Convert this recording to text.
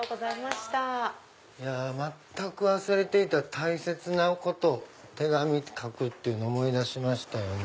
いや全く忘れていた大切なこと手紙書くっていうの思い出しましたよね。